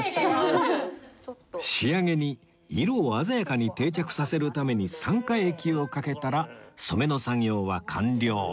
仕上げに色を鮮やかに定着させるために酸化液をかけたら染めの作業は完了